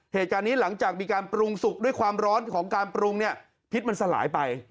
หลังจากมีการปรุงสุกด้วยความร้อนของการปรุงเนี่ยพิษมันสลายไป